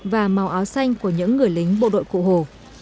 và màu áo xanh của những người lính bộ đội cụ hồ